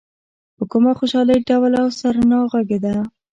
په کومه خوشالۍ ډول او سرنا غږېده.